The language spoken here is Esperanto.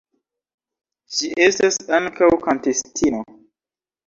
Ŝi estas ankaŭ kantistino.